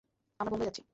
আমরা বোম্বে যাচ্ছি!